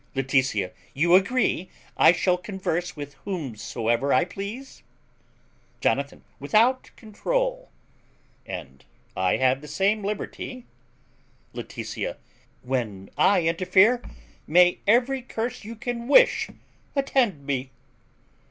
Laetitia. You agree I shall converse with whomsoever I please? Jonathan. Without controul. And I have the same liberty? Laetitia. When I interfere may every curse you can wish attend me!